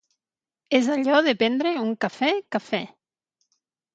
És allò de prendre un cafè cafè.